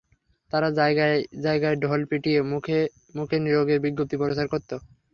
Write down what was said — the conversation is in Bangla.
তারা জায়গায় জায়গায় ঢোল পিটিয়ে মুখে মুখে নিয়োগের বিজ্ঞপ্তি প্রচার করত।